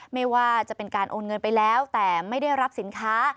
ไม่ว่าจะเป็นการโอนเงินไปแล้วแต่ไม่ได้รับสินค้า